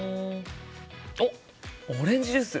あっオレンジジュース！